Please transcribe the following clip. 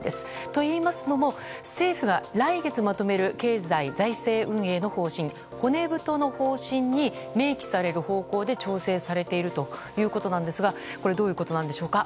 といいますのも政府が来月まとめる経済財政運営の方針骨太の方針に明記される方向で調整されているということなんですがこれはどういうことなんでしょうか。